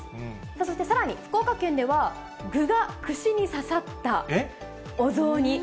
そしてさらに、福岡県では、具が串に刺さったお雑煮。